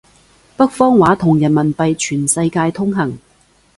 北方話同人民幣全世界通行